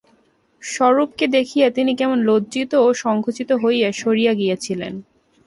স্বরূপকে দেখিয়া তিনি কেমন লজ্জিত ও সংকুচিত হইয়া সরিয়া গিয়াছিলেন।